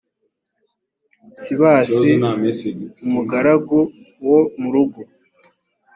sibas umugaragu wo mu rugo